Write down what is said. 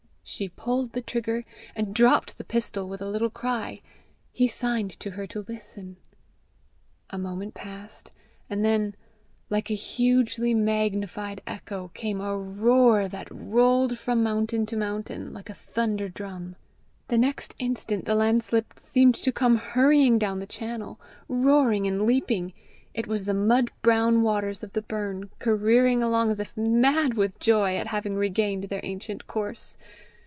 She pulled the trigger, and dropped the pistol with a little cry. He signed to her to listen. A moment passed, and then, like a hugely magnified echo, came a roar that rolled from mountain to mountain, like a thunder drum. The next instant, the landslip seemed to come hurrying down the channel, roaring and leaping: it was the mud brown waters of the burn, careering along as if mad with joy at having regained their ancient course.